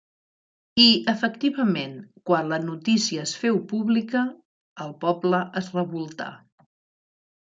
I, efectivament, quan la notícia es féu pública, el poble es revoltà.